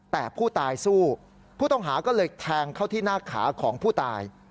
แต่ผู้ตายสู้ผู้ต้องหาก็เลยแทงเข้าที่หน้าขาของผู้ตาย